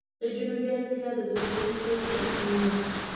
د جنوبي آسیا د دفترونو سره تړل کېږي.